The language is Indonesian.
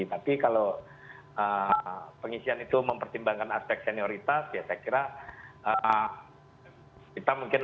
tapi kalau pengisian itu mempertimbangkan aspek senioritas ya saya kira kita mungkin